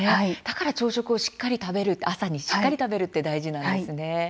だから朝食を朝にしっかり食べるって大事なんですね。